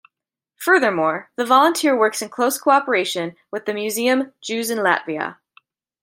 Furthermore, the volunteer works in close cooperation with the Museum "Jews in Latvia".